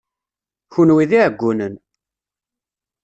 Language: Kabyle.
Kenwi d iɛeggunen!